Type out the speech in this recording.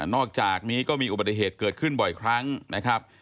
อกจากนี้ก็มีอุบัติเหตุเกิดขึ้นบ่อยครั้งนะครับ